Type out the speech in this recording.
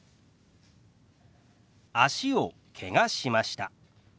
「脚をけがしました」。